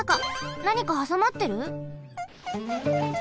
なにかはさまってる？